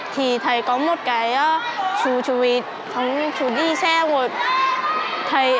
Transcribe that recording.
thì thầy có một cái chú chú ý chú đi xe của thầy